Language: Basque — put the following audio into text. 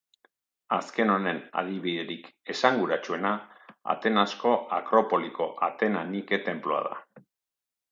Azken honen adibiderik esanguratsuena Atenasko Akropoliko Atena Nike tenplua da.